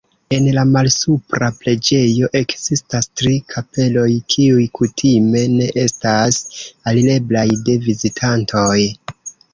En la malsupra preĝejo ekzistas tri kapeloj, kiuj kutime ne estas alireblaj de vizitantoj.